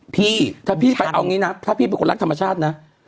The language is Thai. พี่ถ้าพี่ไปเอางี้นะถ้าพี่เป็นคนรักธรรมชาตินะ